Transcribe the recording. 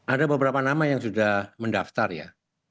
ada beberapa nama yang sudah mendaftar ya